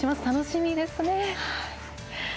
楽しみですね。